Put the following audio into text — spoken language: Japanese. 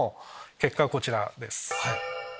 結果はこちらです。